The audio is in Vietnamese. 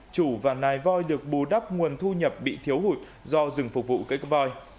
chủ và nài voi được bù đắp nguồn thu nhập bị thiếu hụt do rừng phục vụ cưỡi voi